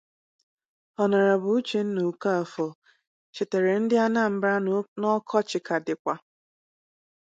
Hon.' Uchenna Okafor chètèèrè Ndị Anambra na ọkọchị ka dịkwà